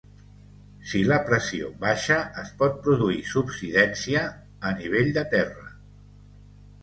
Si la pressió baixa es pot produir subsidència a nivell de terra.